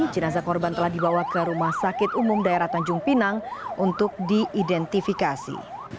jenazah korban telah dibawa ke rumah sakit umum daerah tanjung pinang untuk diidentifikasi